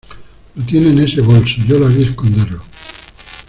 lo tiene en ese bolso, yo la vi esconderlo.